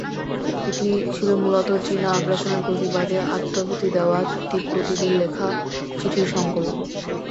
এটি ছিল মূলত চীনা আগ্রাসনের প্রতিবাদে আত্মাহুতি দেওয়া তিব্বতিদের লেখা চিঠির সংকলন।